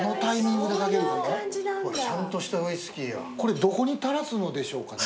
これどこに垂らすのでしょうかね。